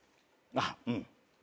あっうん。